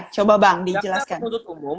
coba bang dijelaskan